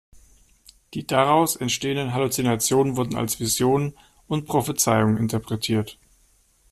Die daraus entstehenden Halluzinationen wurden als Visionen und Prophezeiungen interpretiert.